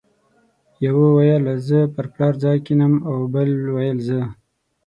یو ویل زه پر پلار ځای کېنم او بل ویل زه.